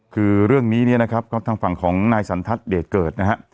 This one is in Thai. คือเรื่องนี้เนี่ยนะครับก็ทางฝั่งของนายสันทัศน์เดชเกิดนะฮะ